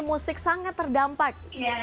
musik sangat terdampak